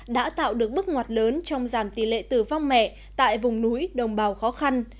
đã tạo được bước ngoặt lớn trong giảm tỷ lệ tử vong mẹ tại vùng núi đồng bào khó khăn